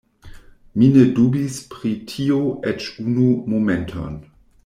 Mi ne dubis pri tio eĉ unu momenton.